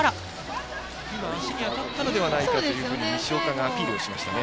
今、足に当たったのではないかと西岡がアピールしましたね。